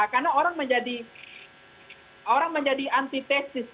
karena orang menjadi anti tesis